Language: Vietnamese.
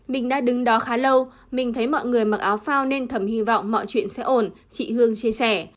mình đã đứng đó khá lâu mình thấy mọi người mặc áo phao nên thầm hy vọng mọi chuyện sẽ ổn chị hương chia sẻ